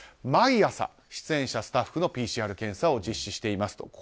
毎朝、出演者とスタッフのＰＣＲ検査を実施していますと。